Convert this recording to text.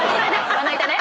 まな板ね！